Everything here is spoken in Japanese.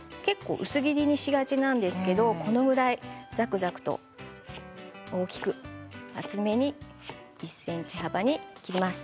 結構薄切りにしがちなんですがこのぐらいザクザクと大きく厚めに１ｃｍ幅に切ります。